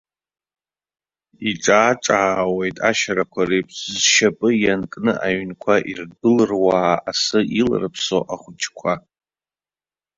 Иҿаа-ҿаауеит, ашьарақәа реиԥш зшьапы ианкны аҩнқәа ирдәылрууаа асы иларԥсо ахәыҷқәа.